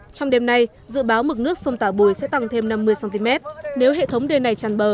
trong đêm nay dự báo mực nước sông tả bùi sẽ tăng thêm năm mươi cm nếu hệ thống đê này tràn bờ